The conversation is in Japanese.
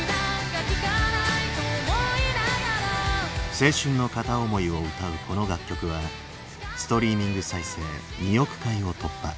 青春の片思いを歌うこの楽曲はストリーミング再生２億回を突破。